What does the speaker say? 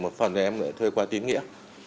một phần em thuê qua tín nghĩa